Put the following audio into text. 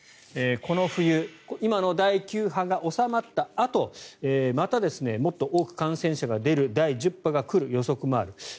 この冬今の第９波が収まったあとまたもっと多く感染者が出る第１０波が来る予測もある。